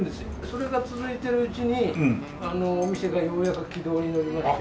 それが続いてるうちにお店がようやく軌道に乗りまして。